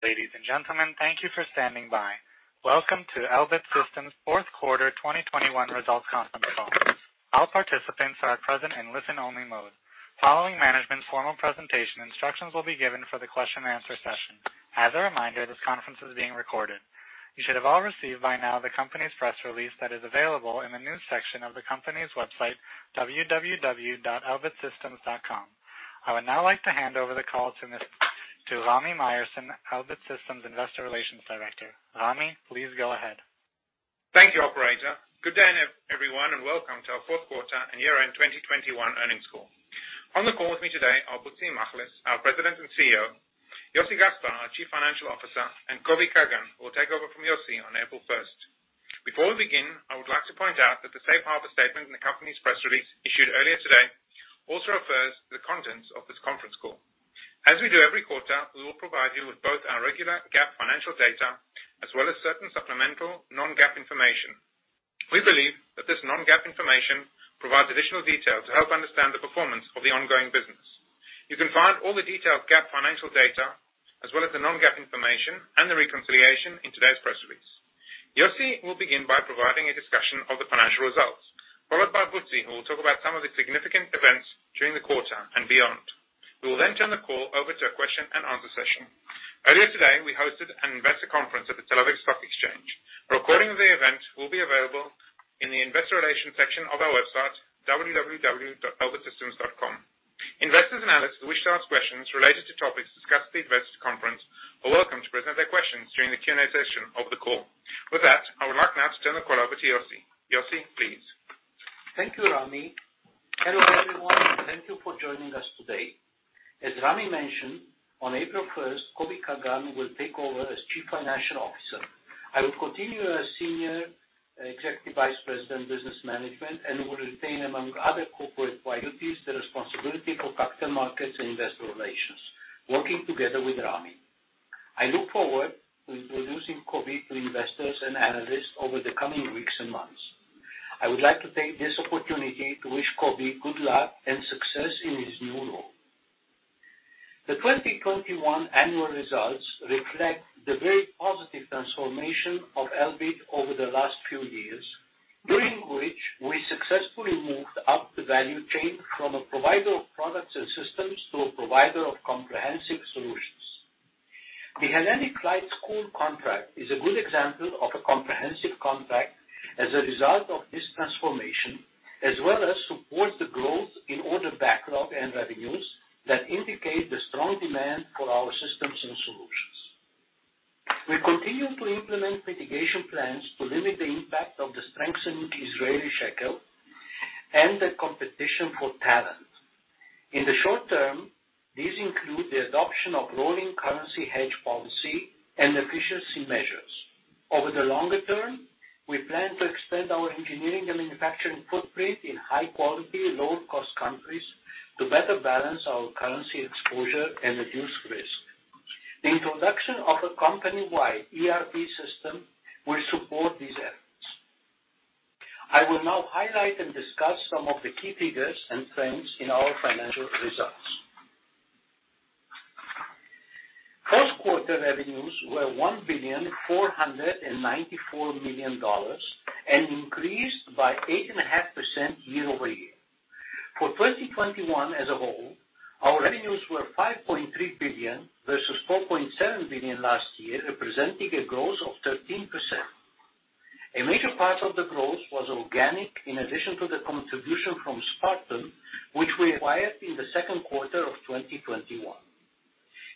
Ladies and gentlemen, thank you for standing by. Welcome to Elbit Systems' fourth quarter 2021 results conference call. All participants are present in listen only mode. Following management's formal presentation, instructions will be given for the question and answer session. As a reminder, this conference is being recorded. You should have all received by now the company's press release that is available in the news section of the company's website, www.elbitsystems.com. I would now like to hand over the call to Rami Myerson, Elbit Systems Investor Relations Director. Rami, please go ahead. Thank you, operator. Good day, everyone, and welcome to our fourth quarter and year-end 2021 earnings call. On the call with me today are Bezhalel Machlis, our President and CEO, Joseph Gaspar, our Chief Financial Officer, and Kobi Kagan, who will take over from Yossi on April 1. Before we begin, I would like to point out that the safe harbor statement in the company's press release issued earlier today also refers to the contents of this conference call. As we do every quarter, we will provide you with both our regular GAAP financial data as well as certain supplemental non-GAAP information. We believe that this non-GAAP information provides additional detail to help understand the performance of the ongoing business. You can find all the detailed GAAP financial data as well as the non-GAAP information and the reconciliation in today's press release. Yossi will begin by providing a discussion of the financial results, followed by Butzi, who will talk about some of the significant events during the quarter and beyond. We will turn the call over to a question and answer session. Earlier today, we hosted an investor conference at the Tel Aviv Stock Exchange. A recording of the event will be available in the investor relations section of our website, www.elbitsystems.com. Investors and analysts who wish to ask questions related to topics discussed at the investor conference are welcome to present their questions during the Q&A session of the call. With that, I would like now to turn the call over to Yossi. Yossi, please. Thank you, Rami. Hello, everyone, and thank you for joining us today. As Rami mentioned, on April 1, Kobi Kagan will take over as Chief Financial Officer. I will continue as Senior Executive Vice President, Business Management, and will retain, among other corporate priorities, the responsibility for capital markets and investor relations, working together with Rami. I look forward to introducing Kobi to investors and analysts over the coming weeks and months. I would like to take this opportunity to wish Kobi good luck and success in his new role. The 2021 annual results reflect the very positive transformation of Elbit over the last few years, during which we successfully moved up the value chain from a provider of products and systems to a provider of comprehensive solutions. The Hellenic Flight School contract is a good example of a comprehensive contract as a result of this transformation, as well as supports the growth in order backlog and revenues that indicate the strong demand for our systems and solutions. We continue to implement mitigation plans to limit the impact of the strengthening Israeli shekel and the competition for talent. In the short term, these include the adoption of rolling currency hedge policy and efficiency measures. Over the longer term, we plan to extend our engineering and manufacturing footprint in high-quality, low-cost countries to better balance our currency exposure and reduce risk. The introduction of a company-wide ERP system will support these efforts. I will now highlight and discuss some of the key figures and trends in our financial results. First-quarter revenues were $1.494 billion and increased by 8.5% year-over-year. For 2021 as a whole, our revenues were $5.3 billion versus $4.7 billion last year, representing a growth of 13%. A major part of the growth was organic in addition to the contribution from Sparton, which we acquired in the second quarter of 2021.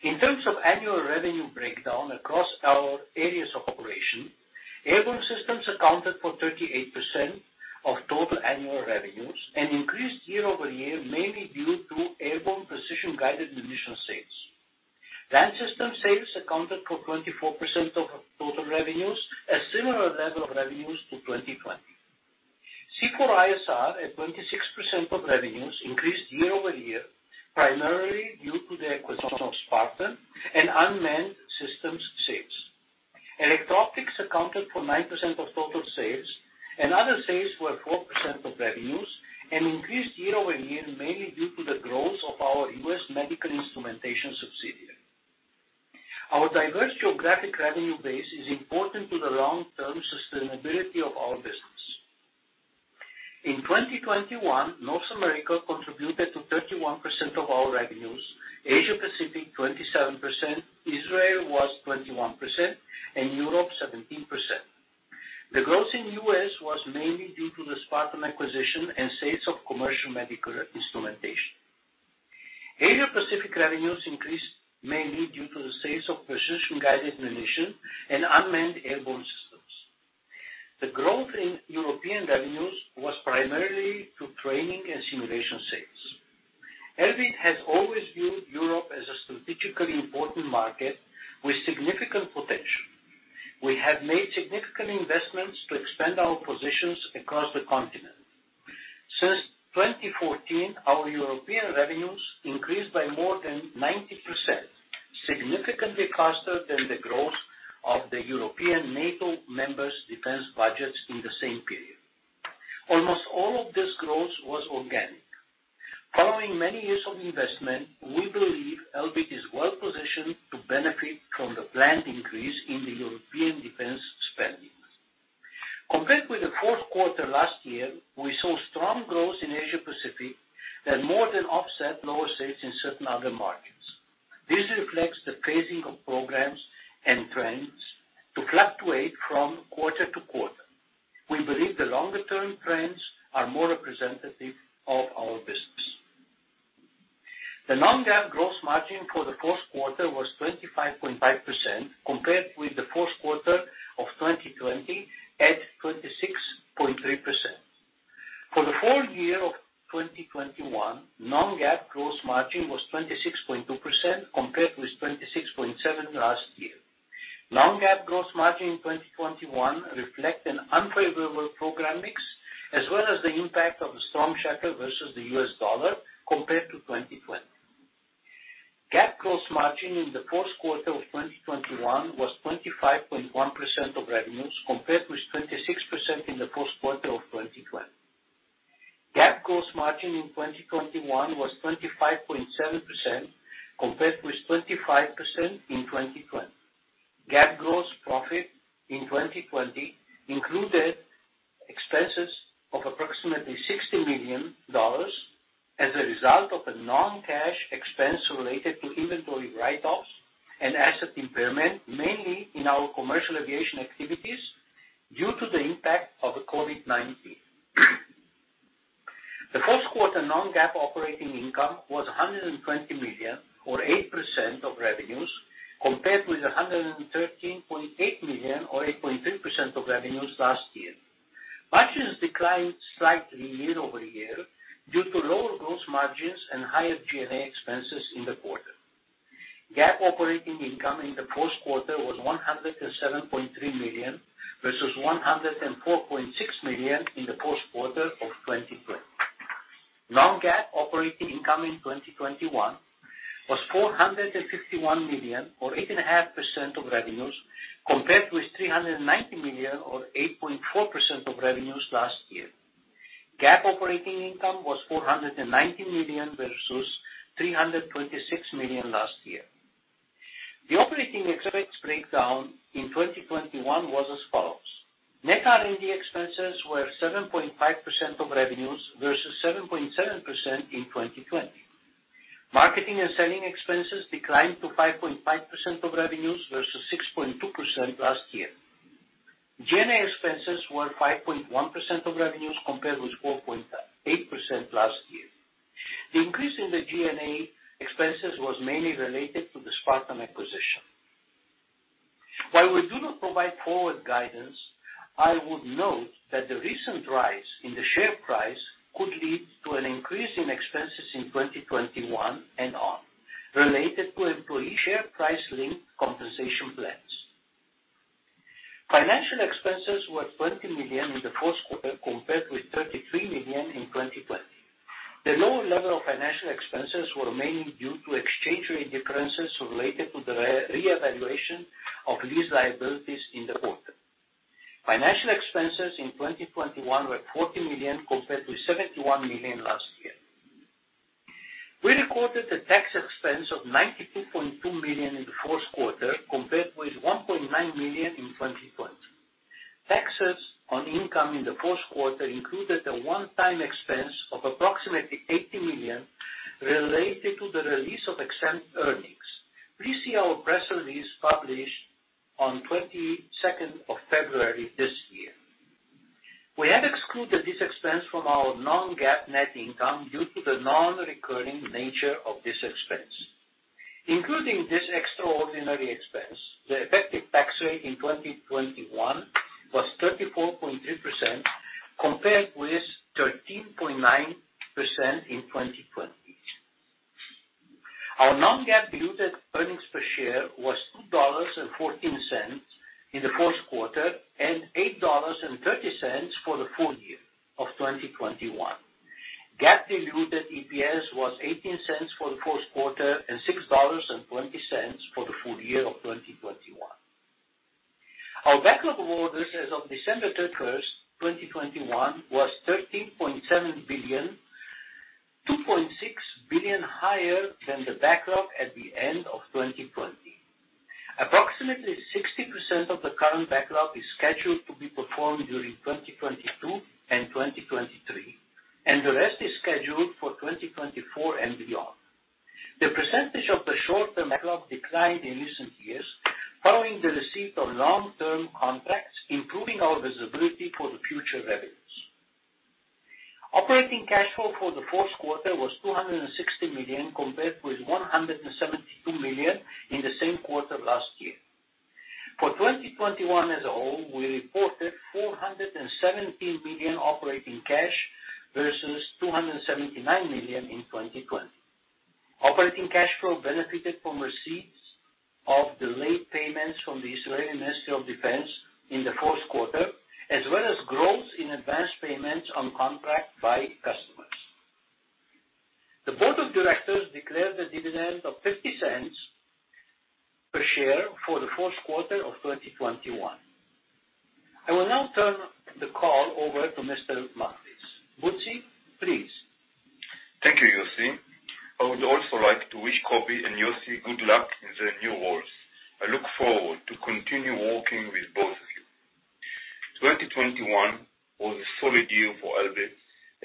In terms of annual revenue breakdown across our areas of operation, Airborne Systems accounted for 38% of total annual revenues and increased year-over-year, mainly due to airborne precision-guided munition sales. Land Systems sales accounted for 24% of total revenues, a similar level of revenues to 2020. C4ISR at 26% of revenues increased year-over-year, primarily due to the acquisition of Sparton and unmanned systems sales. Electro-optics accounted for 9% of total sales, and other sales were 4% of revenues and increased year-over-year, mainly due to the growth of our US medical instrumentation subsidiary. Our diverse geographic revenue base is important to the long-term sustainability of our business. In 2021, North America contributed to 31% of our revenues. Asia Pacific, 27%. Israel was 21%, and Europe 17%. The growth in U.S. was mainly due to the Sparton acquisition and sales of commercial medical instrumentation. Asia Pacific revenues increased mainly due to the sales of precision-guided munition and unmanned airborne systems. The growth in European revenues was primarily due to training and simulation sales. Elbit has always viewed Europe as a strategically important market with significant potential. We have made significant investments to expand our positions across the continent. Since 2014, our European revenues increased by more than 90%, significantly faster than the growth of the European NATO members' defense budgets in the same period. Almost all of this growth was organic. Following many years of investment, we believe Elbit is well-positioned to benefit from the planned increase in the European defense spending. Compared with the fourth quarter last year, we saw strong growth in Asia Pacific that more than offset lower sales in certain other markets. This reflects the phasing of programs and trends to fluctuate from quarter to quarter. We believe the longer-term trends are more representative of our business. The non-GAAP gross margin for the fourth quarter was 25.5% compared with the fourth quarter of 2020 at 26.3%. For the full year of 2021, non-GAAP gross margin was 26.2% compared with 26.7% last year. Non-GAAP gross margin in 2021 reflect an unfavorable program mix as well as the impact of the strong shekel versus the US dollar compared to 2020. GAAP gross margin in the fourth quarter of 2021 was 25.1% of revenues, compared with 26% in the fourth quarter of 2020. GAAP gross margin in 2021 was 25.7% compared with 25% in 2020. GAAP gross profit in 2020 included expenses of approximately $60 million as a result of a non-cash expense related to inventory write-offs and asset impairment, mainly in our commercial aviation activities due to the impact of the COVID-19. The first quarter non-GAAP operating income was $120 million or 8% of revenues, compared with $113.8 million or 8.3% of revenues last year. Margins declined slightly year-over-year due to lower gross margins and higher G&A expenses in the quarter. GAAP operating income in the first quarter was $107.3 million versus $104.6 million in the first quarter of 2020. Non-GAAP operating income in 2021 was $451 million or 8.5% of revenues, compared with $390 million or 8.4% of revenues last year. GAAP operating income was $490 million versus $326 million last year. The operating expense breakdown in 2021 was as follows: Net R&D expenses were 7.5% of revenues versus 7.7% in 2020. Marketing and selling expenses declined to 5.5% of revenues versus 6.2% last year. G&A expenses were 5.1% of revenues compared with 4.8% last year. The increase in the G&A expenses was mainly related to the Sparton acquisition. While we do not provide forward guidance, I would note that the recent rise in the share price could lead to an increase in expenses in 2021 and on related to employee share price-linked compensation plans. Financial expenses were $20 million in the first quarter, compared with $33 million in 2020. The lower level of financial expenses were mainly due to exchange rate differences related to the revaluation of lease liabilities in the quarter. Financial expenses in 2021 were $40 million compared to $71 million last year. We recorded a tax expense of $92.2 million in the first quarter, compared with $1.9 million in 2020. Taxes on income in the first quarter included a one-time expense of approximately $80 million related to the release of exempt earnings. Please see our press release published on 22nd of February this year. We have excluded this expense from our non-GAAP net income due to the non-recurring nature of this expense. Including this extraordinary expense, the effective tax rate in 2021 was 34.3% compared with 13.9% in 2020. Our non-GAAP diluted earnings per share was $2.14 in the first quarter and $8.30 for the full year of 2021. GAAP diluted EPS was $0.18 for the first quarter and $6.20 for the full year of 2021. Our backlog of orders as of December 31, 2021 was $13.7 billion, $2.6 billion higher than the backlog at the end of 2020. Approximately 60% of the current backlog is scheduled to be performed during 2022 and 2023, and the rest is scheduled for 2024 and beyond. The percentage of the short-term backlog declined in recent years following the receipt of long-term contracts, improving our visibility for the future revenues. Operating cash flow for the fourth quarter was $260 million, compared with $172 million in the same quarter last year. For 2021 as a whole, we reported $417 million operating cash versus $279 million in 2020. Operating cash flow benefited from receipts of delayed payments from the Israeli Ministry of Defense in the first quarter, as well as growth in advanced payments on contract by customers. The board of directors declared a dividend of $0.50 per share for the fourth quarter of 2021. I will now turn the call over to Mr. Machlis. Machlis, please. Thank you, Yossi. I would also like to wish Kobi and Yossi good luck in their new roles. I look forward to continue working with both of you. 2021 was a solid year for Elbit,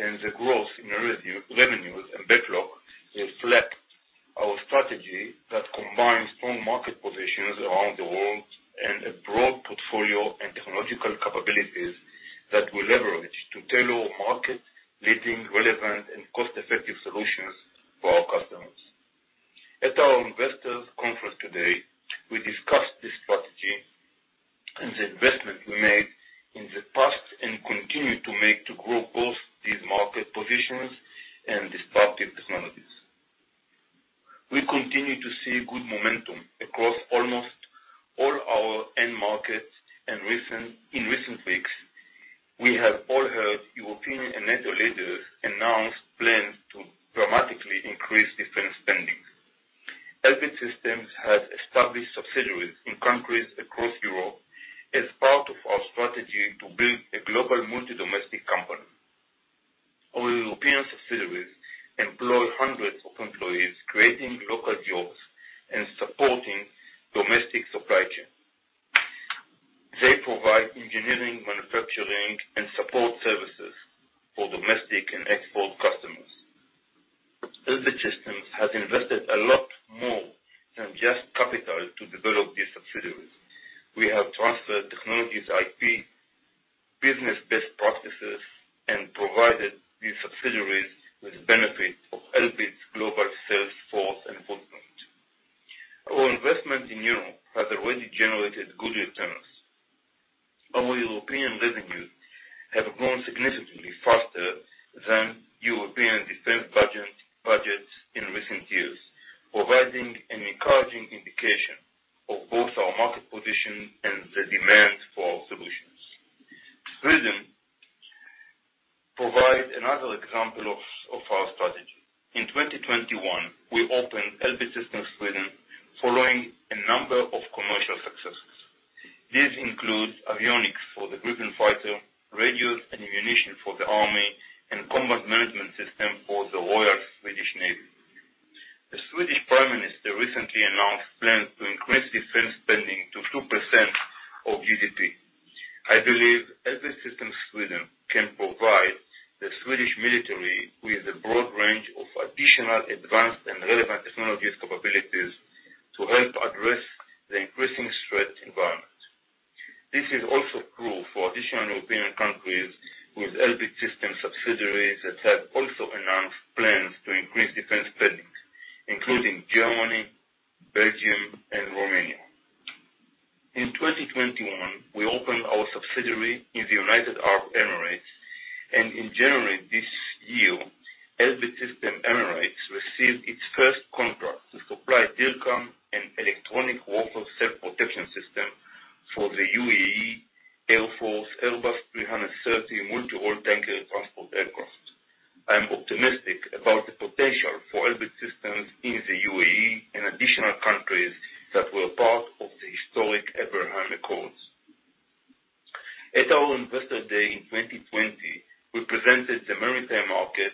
and the growth in revenue and backlog reflect our strategy that combines strong market positions around the world and a broad portfolio and technological capabilities that we leverage to tailor market leading relevant and cost-effective solutions for our customers. At our investors conference today, we discussed this strategy and the investment we made in the past and continue to make to grow both these market positions and disruptive technologies. We continue to see good momentum across almost all our end markets and in recent weeks, we have all heard European and NATO leaders announce plans to dramatically increase defense spending. Elbit Systems has established subsidiaries in countries across Europe as part of our strategy to build a global multi-domestic company. Our European subsidiaries employ hundreds of employees, creating local jobs and supporting domestic supply chain. They provide engineering, manufacturing, and support services for domestic and export customers. Elbit Systems has invested a lot more than just capital to develop these subsidiaries. We have transferred technologies, IP, business best practices, and provided these subsidiaries with benefit of Elbit's global sales force and footprint. Our investment in Europe has already generated good returns. Our European revenues have grown significantly faster than European defense budgets in recent years, providing an encouraging indication of both our market position and the demand for our solutions. Sweden provide another example of our strategy. In 2021, we opened Elbit Systems Sweden following a number of commercial successes. These include avionics for the Gripen fighter, radios and ammunition for the army, and combat management system for the Royal Swedish Navy. The Swedish Prime Minister recently announced plans to increase defense spending to 2% of GDP. I believe Elbit Systems Sweden can provide the Swedish military with a broad range of additional advanced and relevant technological capabilities to help address the increasing threat environment. This is also true for additional European countries with Elbit Systems subsidiaries that have also announced plans to increase defense spending, including Germany, Belgium, and Romania. In 2021, we opened our subsidiary in the United Arab Emirates, and in January this year, Elbit Systems Emirates received its first contract to supply DIRCM and electronic warfare self-protection system for the UAE Air Force Airbus 330 multi-role tanker transport aircraft. I am optimistic about the potential for Elbit Systems in the UAE and additional countries that were part of the historic Abraham Accords. At our Investor Day in 2020, we presented the maritime market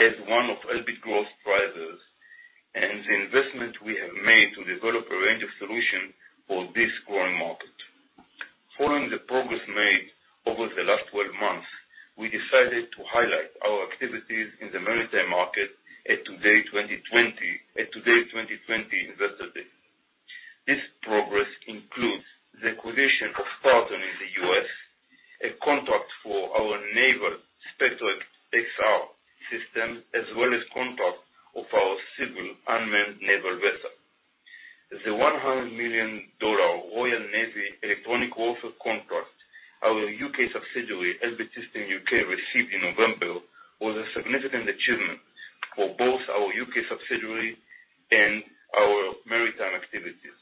as one of Elbit growth drivers and the investment we have made to develop a range of solution for this growing market. Following the progress made over the last 12 months, we decided to highlight our activities in the maritime market at today's 2020 Investor Day. This progress includes the acquisition of Sparton in the U.S., a contract for our naval Spectrum XR system, as well as contract of our Seagull unmanned naval vessel. The $100 million Royal Navy electronic warfare contract, our UK subsidiary, Elbit Systems U.K., received in November, was a significant achievement for both our UK subsidiary and our maritime activities.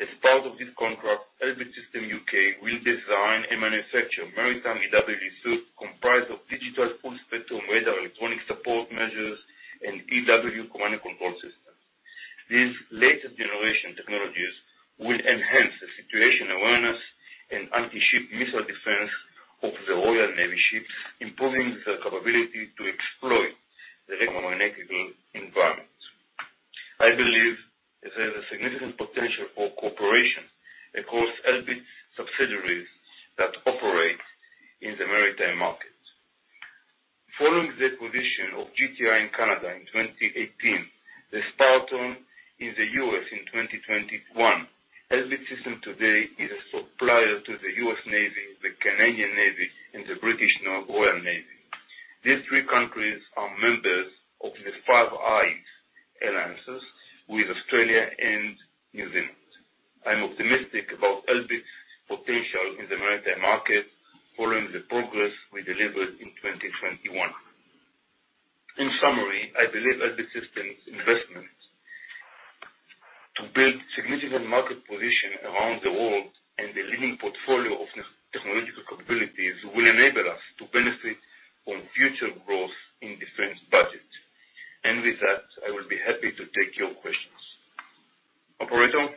As part of this contract, Elbit Systems U.K. will design and manufacture maritime EW suite comprised of digital full-spectrum radar, electronic support measures, and EW command and control system. These latest generation technologies will enhance the situation awareness and anti-ship missile defense of the Royal Navy ships, improving the capability to exploit the electromagnetic environment. I believe that there's a significant potential for cooperation across Elbit subsidiaries that operate in the maritime market. Following the acquisition of GTI in Canada in 2018, Sparton in the U.S. in 2021, Elbit Systems today is a supplier to the U.S. Navy, the Canadian Navy, and the Royal Navy. These three countries are members of the Five Eyes alliance with Australia and New Zealand. I'm optimistic about Elbit's potential in the maritime market following the progress we delivered in 2021. In summary, I believe Elbit Systems' investment to build significant market position around the world and the leading portfolio of technological capabilities will enable us to benefit from future growth in defense budgets. With that, I will be happy to take your questions. Operator?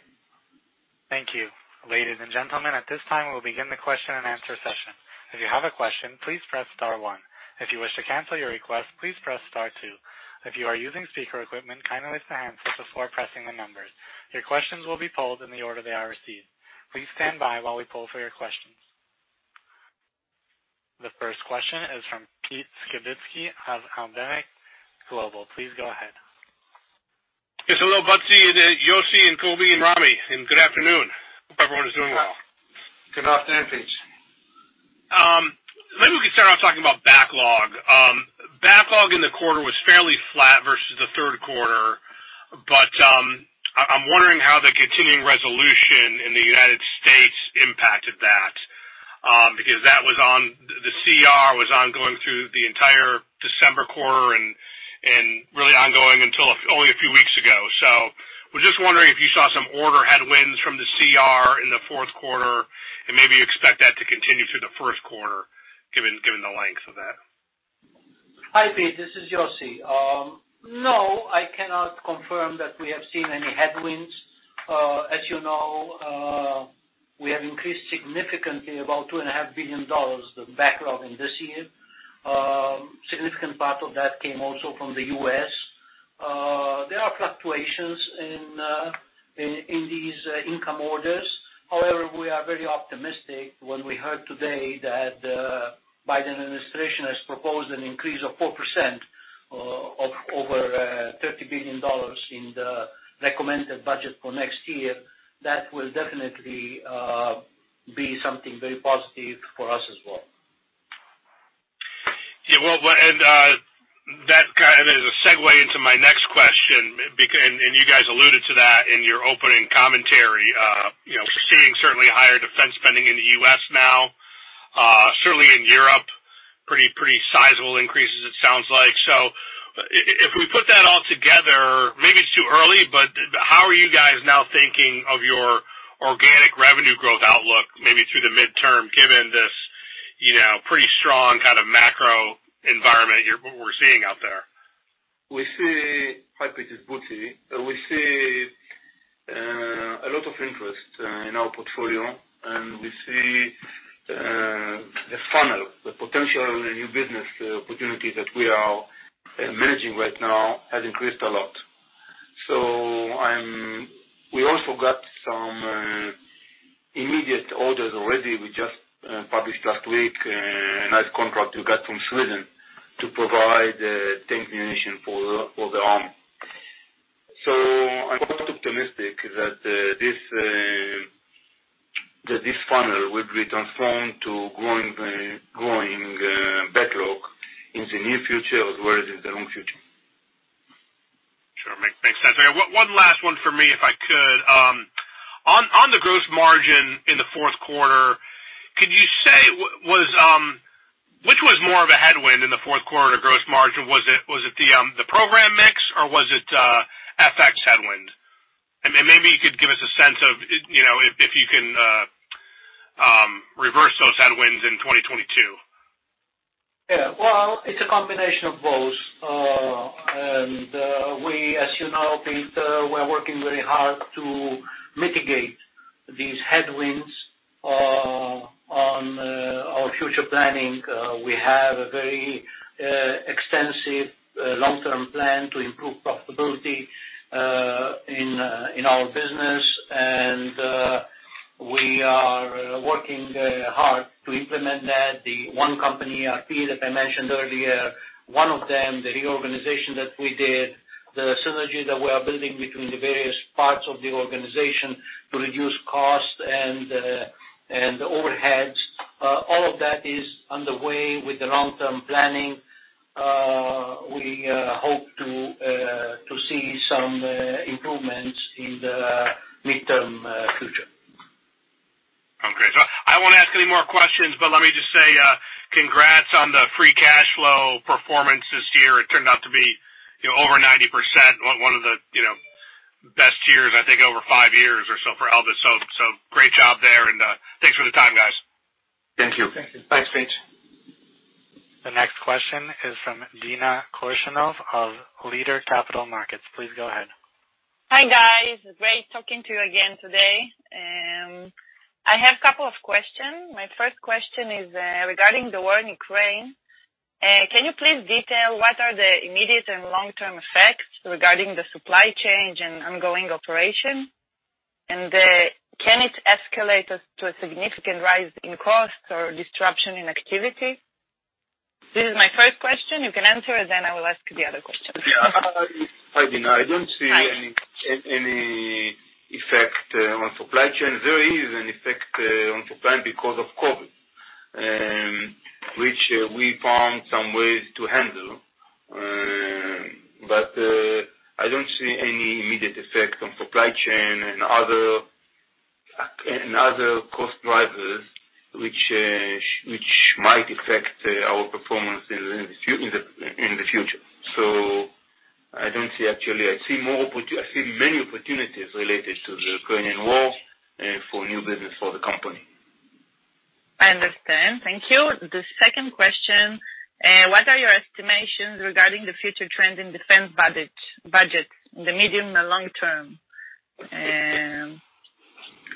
Thank you. Ladies and gentlemen, at this time, we'll begin the question and answer session. If you have a question, please press star one. If you wish to cancel your request, please press star two. If you are using speaker equipment, kindly raise the handset before pressing the numbers. Your questions will be pulled in the order they are received. Please stand by while we pull for your questions. The first question is from Pete Skibitski of Alembic Global. Please go ahead. Yes, hello, Butzi and Yossi and Kobi and Rami, and good afternoon. Hope everyone is doing well. Good afternoon, Pete. Maybe we could start off talking about backlog. Backlog in the quarter was fairly flat versus the third quarter. I'm wondering how the continuing resolution in the United States impacted that, because the CR was ongoing through the entire December quarter and really ongoing until only a few weeks ago. I was just wondering if you saw some order headwinds from the CR in the fourth quarter and maybe you expect that to continue through the first quarter, given the length of that. Hi, Pete. This is Yossi. No, I cannot confirm that we have seen any headwinds. As you know, we have increased significantly about $2.5 billion the backlog in this year. Significant part of that came also from the U.S. There are fluctuations in these incoming orders. However, we are very optimistic when we heard today that Biden administration has proposed an increase of 4% over $30 billion in the recommended budget for next year. That will definitely be something very positive for us as well. Yeah. Well, that guy, there's a segue into my next question, and you guys alluded to that in your opening commentary. You know, we're seeing certainly higher defense spending in the U.S. now, certainly in Europe, pretty sizable increases it sounds like. If we put that all together, maybe it's too early, but how are you guys now thinking of your organic revenue growth outlook, maybe through the midterm, given this, you know, pretty strong kind of macro environment we're seeing out there? Hi, Pete. It's Butzi. We see a lot of interest in our portfolio, and we see the funnel. The potential new business opportunities that we are managing right now has increased a lot. We also got some immediate orders already. We just published last week a nice contract we got from Sweden to provide ammunition for the army. I'm optimistic that this that this funnel will be transformed to growing backlog in the near future as well as in the long future. Sure. Makes sense. One last one for me, if I could. On the gross margin in the fourth quarter, could you say which was more of a headwind in the fourth quarter gross margin? Was it the program mix or was it FX headwind? Maybe you could give us a sense of, you know, if you can, reverse those headwinds in 2022. Yeah. Well, it's a combination of both. We, as you know, Pete, are working very hard to mitigate these headwinds on our future planning. We have a very extensive long-term plan to improve profitability in our business. We are working hard to implement that. The one company ERP that I mentioned earlier, one of them, the reorganization that we did, the synergy that we are building between the various parts of the organization to reduce costs and overheads, all of that is underway with the long-term planning. We hope to see some improvements in the midterm future. Okay. I won't ask any more questions, but let me just say, congrats on the free cash flow performance this year. It turned out to be, you know, over 90%. One of the, you know, best years, I think, over five years or so for Elbit. Great job there and thanks for the time, guys. Thank you. Thank you. Thanks, Pete. The next question is from Dina Korshunov of Leader Capital Markets. Please go ahead. Hi, guys. Great talking to you again today. I have a couple of questions. My first question is regarding the war in Ukraine. Can you please detail what are the immediate and long-term effects regarding the supply chain and ongoing operation? Can it escalate us to a significant rise in costs or disruption in activity? This is my first question. You can answer, and then I will ask the other question. Yeah. Hi, Dina. I don't see any effect on supply chain. There is an effect on supply because of COVID, which we found some ways to handle. I don't see any immediate effect on supply chain and other cost drivers which might affect our performance in the future. I don't see actually. I see many opportunities related to the Ukrainian war for new business for the company. I understand. Thank you. The second question, what are your estimations regarding the future trend in defense budget in the medium and long term?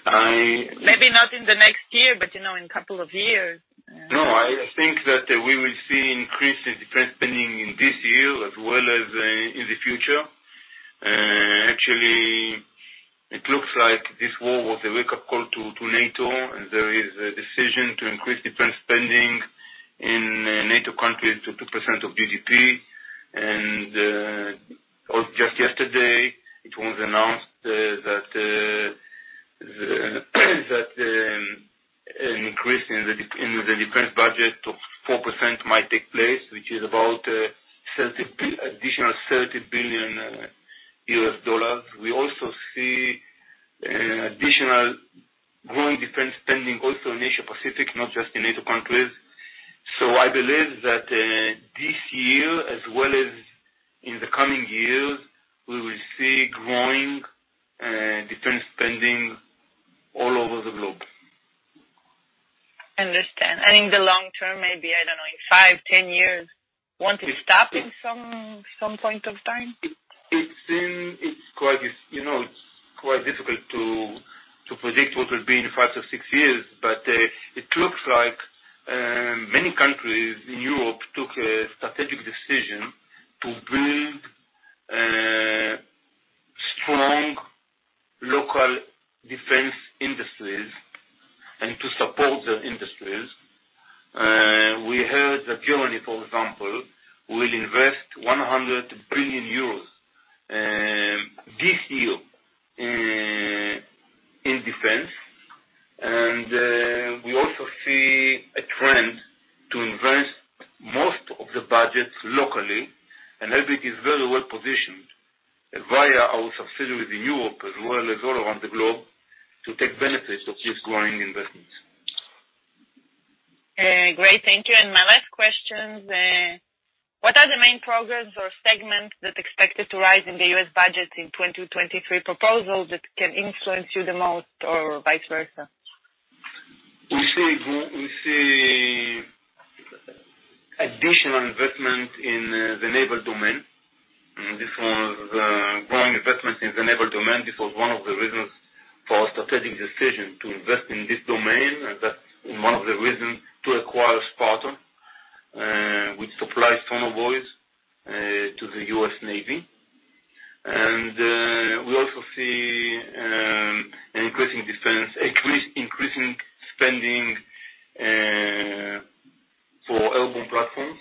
I- Maybe not in the next year, but, you know, in couple of years. No, I think that we will see an increase in defense spending in this year as well as in the future. Actually, it looks like this war was a wake-up call to NATO, and there is a decision to increase defense spending in NATO countries to 2% of GDP. Just yesterday, it was announced that an increase in the defense budget of 4% might take place, which is about additional $30 billion. We also see additional growing defense spending also in Asia-Pacific, not just in NATO countries. I believe that this year, as well as in the coming years, we will see growing defense spending all over the globe. Understand. In the long term, maybe, I don't know, in five-10 years, won't it stop in some point of time? It's quite, you know, difficult to predict what will be in five-six years. It looks like many countries in Europe took a strategic decision to build strong local defense industries and to support their industries. We heard that Germany, for example, will invest 100 billion euros this year in defense. We also see a trend to invest most of the budgets locally, and Elbit is very well-positioned via our subsidiaries in Europe as well as all around the globe, to take benefits of this growing investment. Great. Thank you. My last question, what are the main programs or segments that expected to rise in the US budget in 2023 proposals that can influence you the most or vice versa? We see additional investment in the naval domain. This was growing investment in the naval domain. This was one of the reasons for our strategic decision to invest in this domain, and that's one of the reasons to acquire Sparton, which supplies sonobuoys to the U.S. Navy. We also see increasing defense spending for airborne platforms.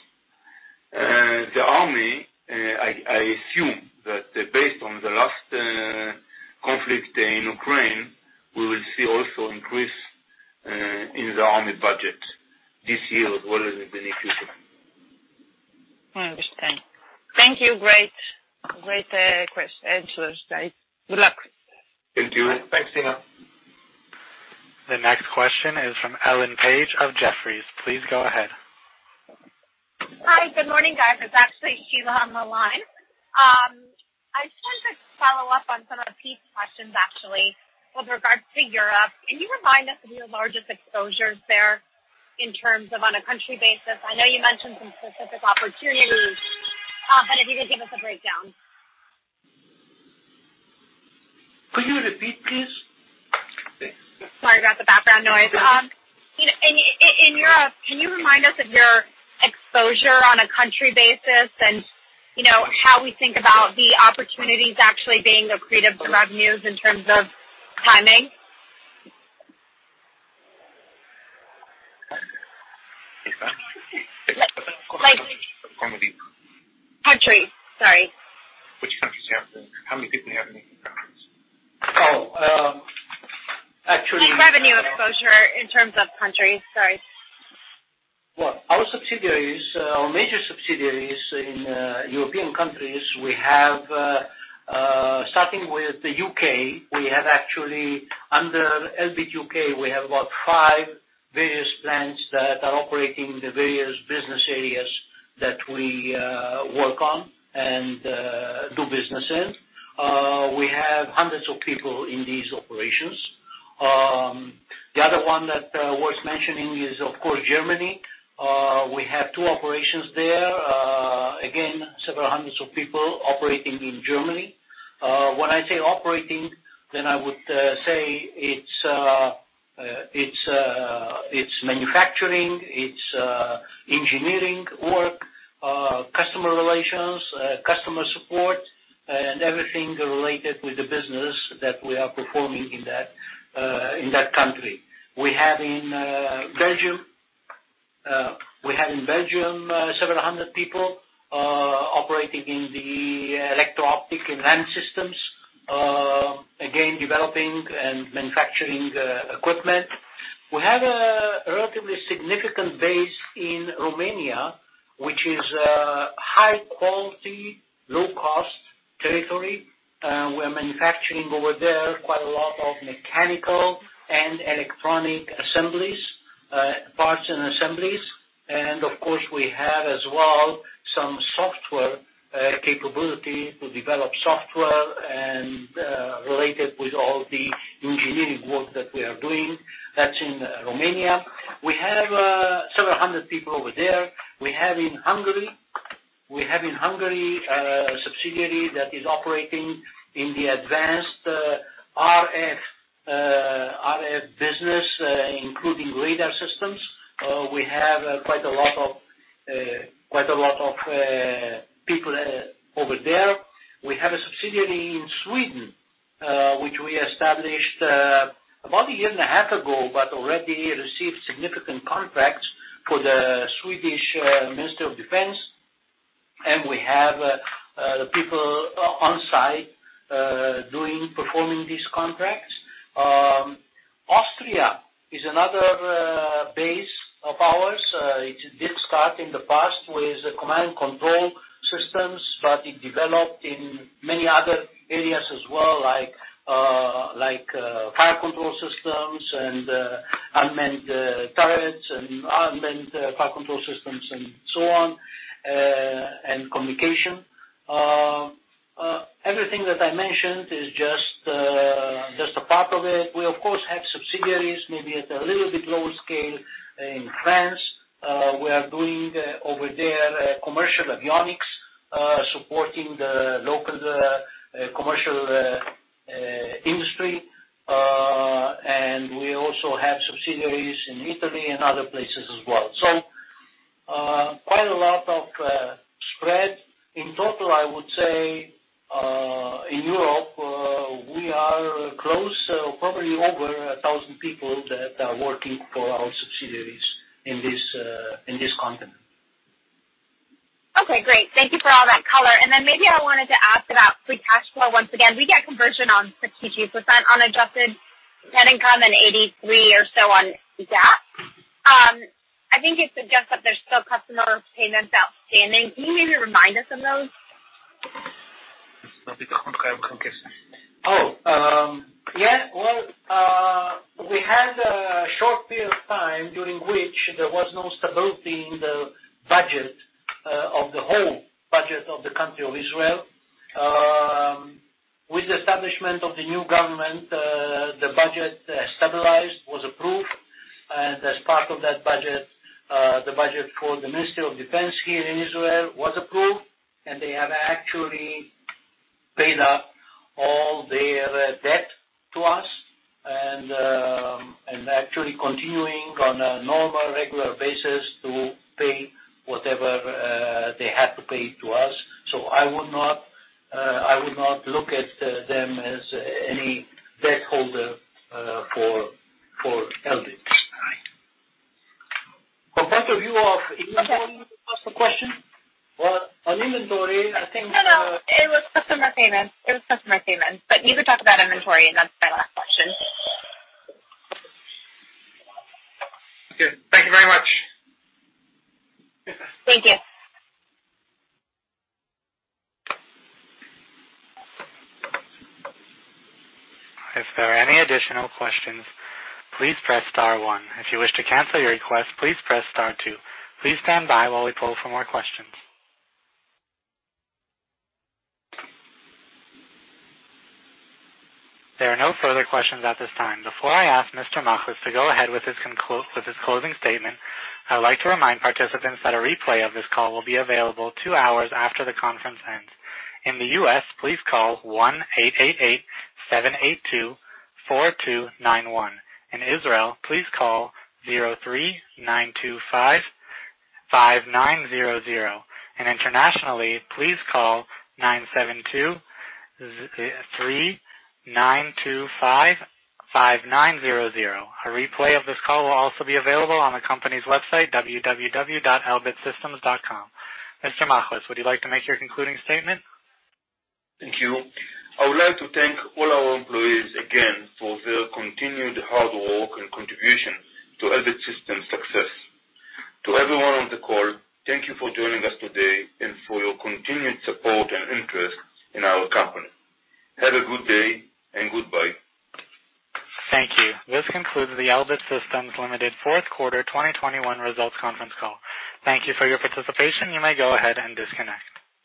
The army, I assume that based on the last conflict in Ukraine, we will see also increase in the army budget this year as well as in the near future. I understand. Thank you. Great answers. Thank you. Good luck. Thank you. Thanks, Dina. The next question is from Ellen Page of Jefferies. Please go ahead. Hi. Good morning, guys. It's actually Sheila on the line. I just want to follow up on some of Pete's questions, actually, with regards to Europe. Can you remind us of your largest exposures there in terms of on a country basis? I know you mentioned some specific opportunities, but if you could give us a breakdown. Could you repeat, please? Sorry about the background noise. You know, in Europe, can you remind us of your exposure on a country basis and, you know, how we think about the opportunities actually being accretive to revenues in terms of timing? Country. Sorry. How many people you have in each country? Oh, actually. Revenue exposure in terms of country. Sorry. Well, our subsidiaries, our major subsidiaries in European countries, we have starting with the U.K., we have actually under Elbit U.K., we have about five various plants that are operating the various business areas that we work on and do business in. We have hundreds of people in these operations. The other one that's worth mentioning is, of course, Germany. We have two operations there. Again, several hundreds of people operating in Germany. When I say operating, then I would say it's manufacturing, it's engineering work, customer relations, customer support, and everything related with the business that we are performing in that country. We have in Belgium several hundred people operating in the electro-optic and land systems, again, developing and manufacturing equipment. We have a relatively significant base in Romania, which is a high quality, low cost territory. We're manufacturing over there quite a lot of mechanical and electronic assemblies, parts and assemblies. Of course, we have as well some software capability to develop software and related with all the engineering work that we are doing. That's in Romania. We have several hundred people over there. We have in Hungary a subsidiary that is operating in the advanced RF business, including radar systems. We have quite a lot of people over there. We have a subsidiary in Sweden, which we established about a year and a half ago, but already received significant contracts for the Swedish Ministry of Defense. We have people on-site doing, performing these contracts. Austria is another base of ours. It did start in the past with command and control systems, but it developed in many other areas as well, like fire control systems and unmanned turrets and unmanned fire control systems and so on, and communication. Everything that I mentioned is just a part of it. We, of course, have subsidiaries, maybe at a little bit lower scale in France. We are doing over there commercial avionics, supporting the local commercial industry. We also have subsidiaries in Italy and other places as well. Quite a lot of spread. In total, I would say, in Europe, we are close or probably over 1,000 people that are working for our subsidiaries in this continent. Okay, great. Thank you for all that color. Maybe I wanted to ask about free cash flow once again. We get conversion on 62% on adjusted net income and 83 or so on GAAP. I think you suggest that there's still customer payments outstanding. Can you maybe remind us of those? Oh, yes. Well, we had a short period of time during which there was no stability in the budget of the whole budget of the country of Israel. With the establishment of the new government, the budget stabilized, was approved, and as part of that budget, the budget for the Ministry of Defense here in Israel was approved, and they have actually paid up all their debt to us, and actually continuing on a normal, regular basis to pay whatever they have to pay to us. I would not look at them as any debt holder for Elbit. From point of view of inventory, can you answer the question? Or on inventory, I think. No, no. It was customer payments. You can talk about inventory, and that's my last question. Okay. Thank you very much. Thank you. There are no further questions at this time. Before I ask Mr. Machlis to go ahead with his closing statement, I'd like to remind participants that a replay of this call will be available two hours after the conference ends. In the U.S., please call 1-888-782-4291. In Israel, please call 03-925-5900. Internationally, please call 972-3-925-5900. A replay of this call will also be available on the company's website, www.elbitsystems.com. Mr. Machlis, would you like to make your concluding statement? Thank you. I would like to thank all our employees again for their continued hard work and contribution to Elbit Systems' success. To everyone on the call, thank you for joining us today and for your continued support and interest in our company. Have a good day, and goodbye. Thank you. This concludes the Elbit Systems Ltd. fourth quarter 2021 results conference call. Thank you for your participation. You may go ahead and disconnect.